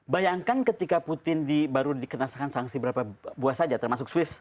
bayangkan ketika putin baru dikenakan sanksi berapa buah saja termasuk swiss